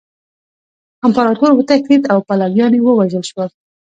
امپراطور وتښتید او پلویان یې ووژل شول.